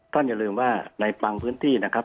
อย่าลืมว่าในบางพื้นที่นะครับ